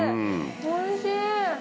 おいしい。